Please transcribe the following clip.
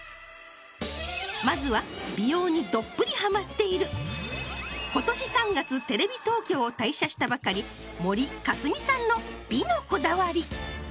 まずは美容にどっぷりハマっている今年３月テレビ東京を退社したばかり森香澄さんの美のこだわり